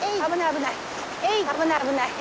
危ない危ない。